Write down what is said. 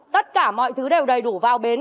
tất cả mọi thứ đều đầy đủ vào bến